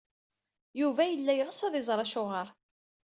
Yuba yella yeɣs ad iẓer Acuɣer.